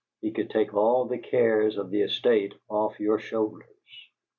He could take all the cares of the estate off your shoulders."